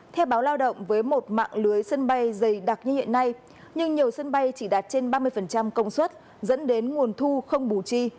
theo báo lao động với một mạng lưới sân bay dày đặc như hiện nay nhưng nhiều sân bay chỉ đạt trên ba mươi công suất dẫn đến nguồn thu không bù chi